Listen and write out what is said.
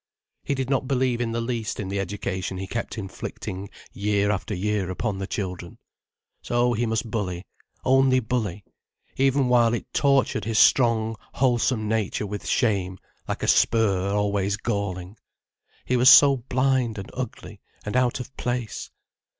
He did not believe in the least in the education he kept inflicting year after year upon the children. So he must bully, only bully, even while it tortured his strong, wholesome nature with shame like a spur always galling. He was so blind and ugly and out of place.